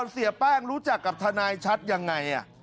เสียแป้งรู้จักกับทนายชัดยังไง